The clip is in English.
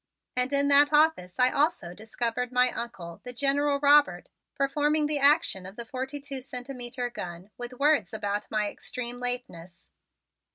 And in that office I also discovered my Uncle, the General Robert, performing the action of the forty two centimeter gun with words about my extreme lateness.